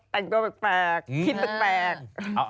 แต่งตัวแปลกคิดแปลก